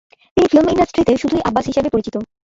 তিনি ফিল্ম ইন্ডাস্ট্রিতে শুধুই আব্বাস হিসেবে পরিচিত।